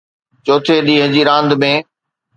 چوٿين ڏينهن جي راند ۾